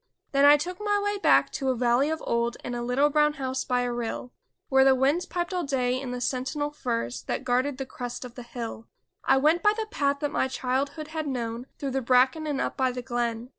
Then I took my way back to a valley of old And a little brown house by a rill. Where the winds piped all day in the sentinel firs That guarded the crest of the hill ; I went by the path that my childhood had known Through the bracken and up by the glen.